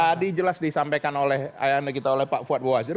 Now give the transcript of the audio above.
tadi jelas disampaikan oleh pak fuad bawazir